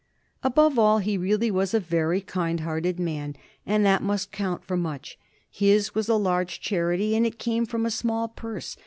Above all, he really was a very kind hearted man, and that must count for much. His was a large charity, and it came from a small purse.